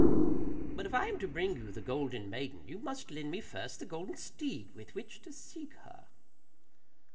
'But if I am to bring you the golden maiden you must lend me first the golden steed with which to seek for her.